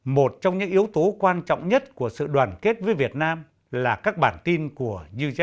một trong những yếu tố quan trọng nhất của sự đoàn kết với việt nam là các bản tin của